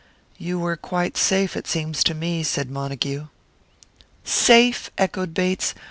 "You were quite safe, it seems to me," said Montague. "Safe?" echoed Bates.